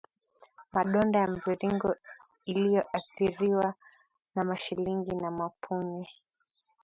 madonda ya mviringo iliyoathiriwa na mashilingi na mapunye